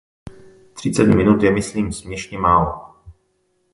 Třicet minut je myslím směšně málo.